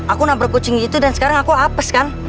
aku nabrak kucing gitu dan sekarang aku apes kan